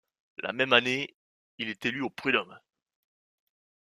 La même année, il est élu aux prud'hommes.